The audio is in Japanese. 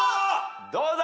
どうだ。